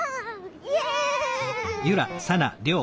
イエイ！